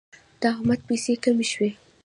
د احمد پیسې کمې شوې.